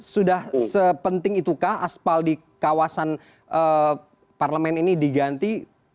sudah sepenting itukah aspal di kawasan parlemen ini diganti